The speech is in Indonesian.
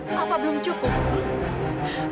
apa belum cukup